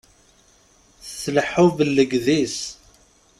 Tleḥḥu bellegdis.